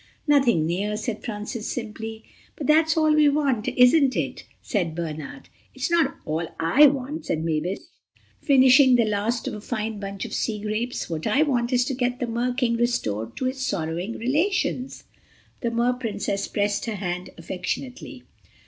"Nothing near," said Francis simply. "But that's all we want, isn't it?" said Bernard. "It's not all I want," said Mavis, finishing the last of a fine bunch of sea grapes, "what I want is to get the Mer King restored to his sorrowing relations." The Mer Princess pressed her hand affectionately.